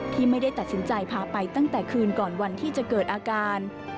ที่ไม่ได้ตัดสินใจพาไปตั้งแต่คืนก่อนวันที่จะเกิดอาการ